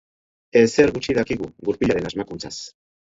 Ezer gutxi dakigu gurpilaren asmakuntzaz.